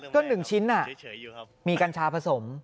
ก็หนึ่งชิ้นอ่ะมีกันชาผสม